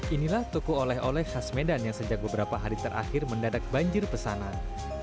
inilah toko oleh oleh khas medan yang sejak beberapa hari terakhir mendadak banjir pesanan